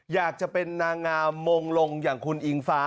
อยากจะเป็นนางงามมงลงอย่างคุณอิงฟ้า